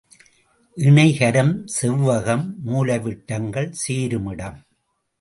இணைகரம், செவ்வகம் மூலைவிட்டங்கள் சேருமிடம்.